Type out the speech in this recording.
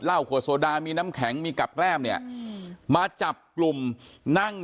ขวดโซดามีน้ำแข็งมีกับแก้มเนี่ยมาจับกลุ่มนั่ง